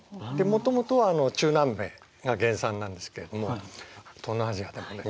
もともとは中南米が原産なんですけれども東南アジアでもね